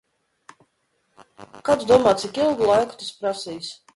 Kā tu domā, cik ilgu laiku tas prasīs?